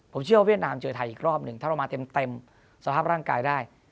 ผมเชื่อว่าเวียดนามเจอไทยอีกรอบหนึ่งถ้าเรามาเต็มสภาพร่างกายได้